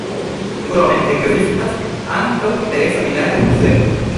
Krome ekzistas ankaŭ interesa vilaĝa muzeo.